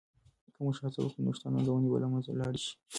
که موږ هڅه وکړو نو شته ننګونې به له منځه لاړې شي.